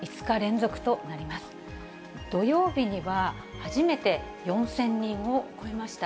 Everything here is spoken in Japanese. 土曜日には初めて４０００人を超えました。